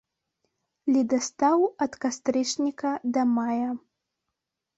Ледастаў ад кастрычніка да мая.